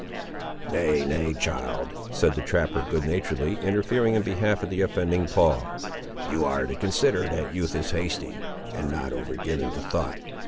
"Nay, nay, child," said the trapper, good naturedly interfering in behalf of the offending Paul, "you are to consider that youth is hasty, and not overgiven to thought.